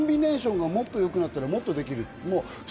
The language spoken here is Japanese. コンビネーションがもっと良くなったらもっとできる。